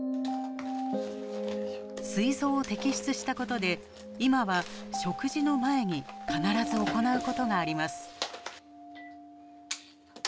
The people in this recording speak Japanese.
すい臓を摘出したことで今は食事の前に必ず行うことがあります。